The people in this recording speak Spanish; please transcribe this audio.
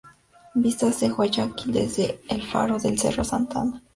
Vistas de Guayaquil desde el faro del Cerro Santa Ana